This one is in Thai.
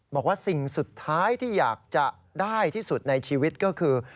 บอกว่าสิ่งสุดท้ายที่อยากจะได้ที่สุดในชีวิตก็คือ